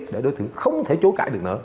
để đối tượng không thể chối cãi được nữa